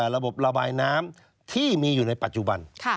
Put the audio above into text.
ระบบระบายน้ำที่มีอยู่ในปัจจุบัน